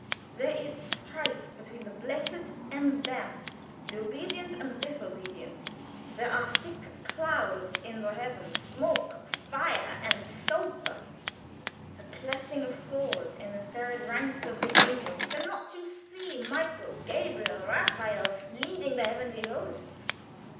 There is strife between the Blessed and the Damned; the obedient and the disobedient. There are thick clouds in the heavens smoke, fire, and sulphur a clashing of swords in the serried ranks of the angels: can not you see Michael, Gabriel, Raphael, leading the heavenly host?